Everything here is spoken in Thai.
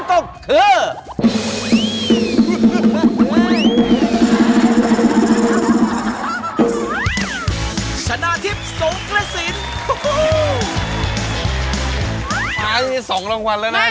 ขอบคุณที่ช่วยเอ่ยชื่อครับ